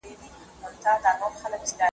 موږ باید د ماشومانو لپاره انټرنیټ خوندي کړو.